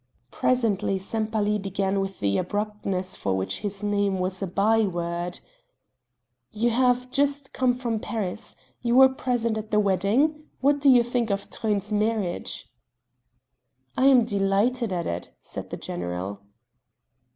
Presently Sempaly began with the abruptness for which his name was a by word: "You have just come from Paris. You were present at the wedding? What do you think of Truyn's marriage?" "I am delighted at it," said the general.